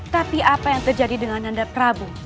tapi apa yang terjadi dengan anda prabu